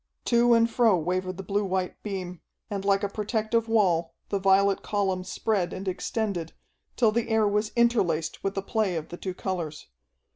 To and fro wavered the blue white beam, and like a protective wall the violet column spread and extended, till the air was interlaced with the play of the two colors.